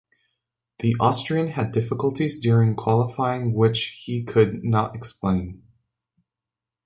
The Austrian had difficulties during qualifying which he could not explain.